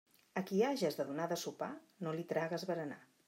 A qui hages de donar de sopar no li tragues berenar.